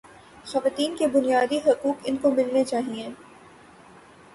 خواتین کے بنیادی حقوق ان کو ملنے چاہیے